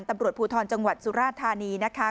ตำรวจภูทรจังหวัดสุราธานีนะคะ